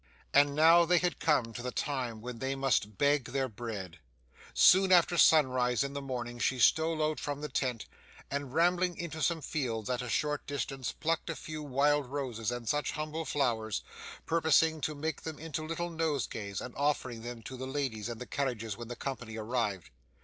And now they had come to the time when they must beg their bread. Soon after sunrise in the morning she stole out from the tent, and rambling into some fields at a short distance, plucked a few wild roses and such humble flowers, purposing to make them into little nosegays and offer them to the ladies in the carriages when the company arrived.